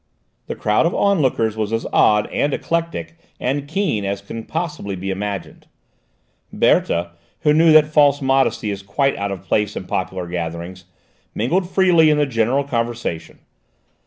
The crowd of onlookers was as odd, and eclectic, and keen, as can possibly be imagined. Berthe, who knew that false modesty is quite out of place in popular gatherings, mingled freely in the general conversation.